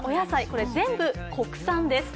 これ全部国産です。